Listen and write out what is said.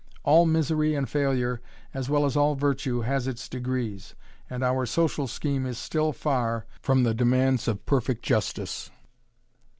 All misery and failure as well as all virtue has its degrees, and our social scheme is still far from the demands of perfect justice.